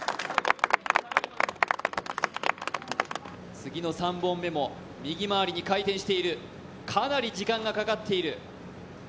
次の３本目も右回りに回転しているかなり時間がかかっている。